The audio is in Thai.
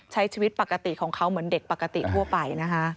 ใช้ชีวิตปกติของเขาเหมือนเด็กปกติทั่วไปนะคะ